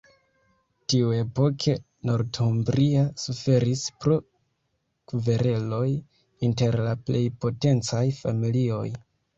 Tiuepoke Northumbria suferis pro kvereloj inter la plej potencaj familioj.